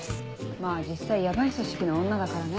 まぁ実際ヤバい組織の女だからね。